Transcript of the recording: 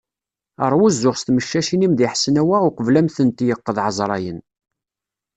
Rwu zzux s tmeccacin-im di Ḥesnawa uqbel ad am-tent-yeqqed ɛeẓrayen.